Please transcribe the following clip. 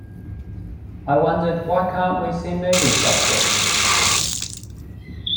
I wondered, why can't we see movies like this?